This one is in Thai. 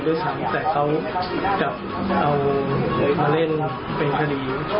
แต่เขากลับมาเล่นเป็นทรีย์